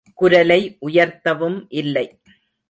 குரலை உயர்த்தவும் இல்லை.